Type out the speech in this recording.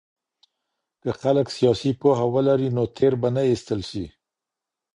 که خلګ سياسي پوهه ولري نو تېر به نه ايستل سي.